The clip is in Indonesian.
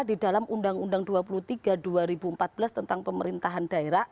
di dalam undang undang dua puluh tiga dua ribu empat belas tentang pemerintahan daerah